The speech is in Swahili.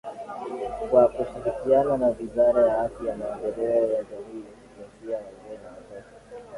Kwa kushirikiana na Wizara ya Afya Maendeleo ya Jamii Jinsia Wazee na Watoto